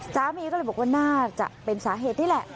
สามีก็เลยบอกว่าน่าจะเป็นสาเหตุนี่แหละ